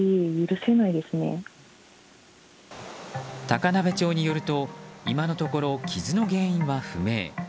高鍋町によると今のところ傷の原因は不明。